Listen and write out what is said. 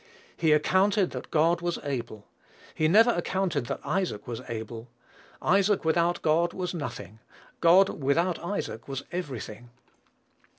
"He accounted that God was able." He never accounted that Isaac was able. Isaac without God was nothing; God without Isaac was every thing.